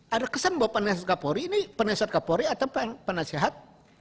ada kesan bahwa penasihat kapolri ini penasihat kapolri atau penasihat